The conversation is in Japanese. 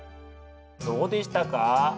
どうでしたか？